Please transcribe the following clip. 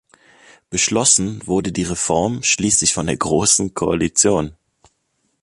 Beschlossen wurde die Reform schließlich von der Großen Koalition.